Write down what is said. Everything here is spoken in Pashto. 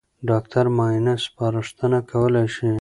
ډاکټر معاینه سپارښتنه کولای شي.